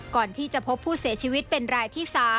ก่อนที่จะพบผู้เสียชีวิตเป็นรายที่๓